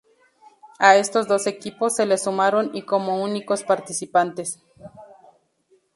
A estos dos equipos se les sumaron y como únicos participantes.